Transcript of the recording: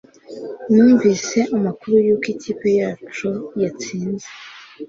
Numvise amakuru yuko ikipe yacu yatsinze